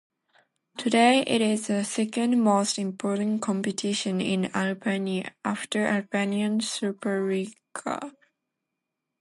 Today it is the second most important competition in Albania after Albanian Superliga.